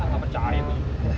aku gak percaya